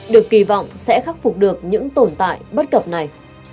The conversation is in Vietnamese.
được kỳ vọng sẽ khắc phục được những tồn tại bất cập này